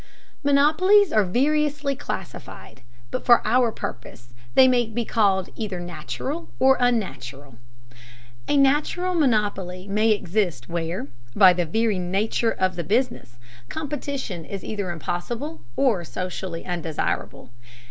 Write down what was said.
Monopolies are variously classified, but for our purpose they may be called either natural or unnatural. A natural monopoly may exist where, by the very nature of the business, competition is either impossible or socially undesirable.